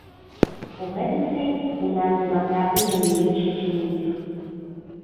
У гэтым сэнсе ў нас дэмакратыі не менш, чым у іх.